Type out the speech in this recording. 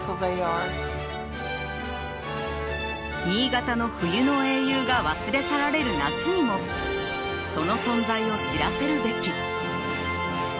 「新潟の冬の英雄が忘れ去られる夏にもその存在を知らせるべき」。